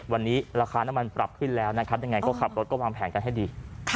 วันนี้ราคาน้ำมันปรับขึ้นแล้วนะครับยังไงก็ขับรถก็วางแผนกันให้ดี